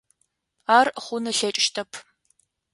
Ар хъун ылъэкӏыщтэп.